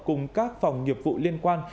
cùng các phòng nghiệp vụ liên quan